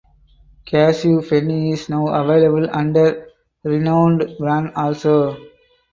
Cashew fenny is now available under renowned brand also.